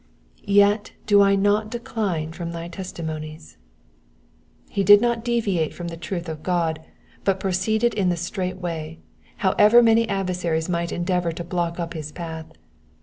ret do I not decline from thy testimonies.'*'' He did not deviate from the truth of God, but pro ceeded in the straight way, however many adversaries might endeavour to block up his path.